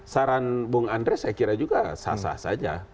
saran bung andre saya kira juga sah sah saja